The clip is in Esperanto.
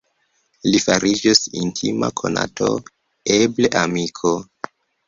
Li fariĝos intima konato; eble amiko.